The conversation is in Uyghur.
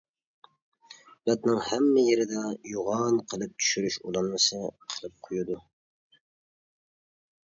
بەتنىڭ ھەممە يېرىدە يۇغان قىلىپ چۈشۈرۈش ئۇلانمىسى قىلىپ قويىدۇ.